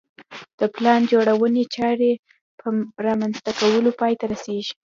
د پلان جوړونې چارې په رامنځته کولو پای ته رسېږي.